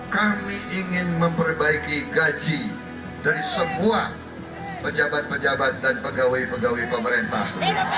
kami ingin memperbaiki gaji dari semua pejabat pejabat dan pegawai pegawai pemerintah